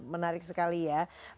menarik sekali ya